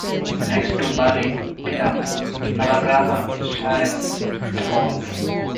Next to bali peetam Navagraha shrine is found.